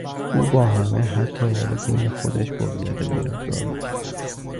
او با همه حتی والدین خودش با بیادبی رفتار میکرد.